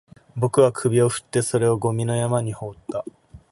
僕は首を振って、それをゴミの山に放った